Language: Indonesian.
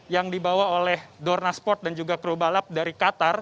yang dibawa oleh dorna sport dan juga kru balap dari qatar